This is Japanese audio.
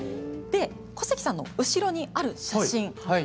小関さんの後ろにある写真。